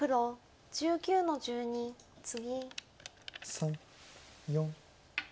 ３４。